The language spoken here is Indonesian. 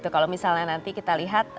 kalau misalnya nanti kita lihat